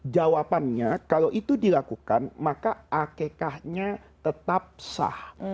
jawabannya kalau itu dilakukan maka akekahnya tetap sah